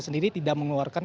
sendiri tidak mengeluarkan